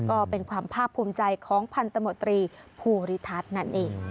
ก็เป็นความภาคภูมิใจของพันธมตรีภูริทัศน์นั่นเอง